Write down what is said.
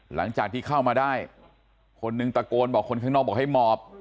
หลังจากที่เข้ามาได้คนหนึ่งตะโกนบอกคนข้างนอกบอกให้หมอบ